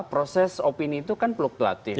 proses opini itu kan fluktuatif